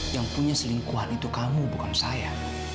yang punya selingkuhan itu kamu bukan saya